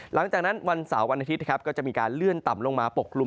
หลังจากนั้นวันเสาร์วันอาทิตย์ก็จะมีการเลื่อนต่ำลงมาปกกลุ่ม